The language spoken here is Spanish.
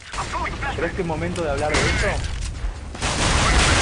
¿ crees que es momento de hablar de eso?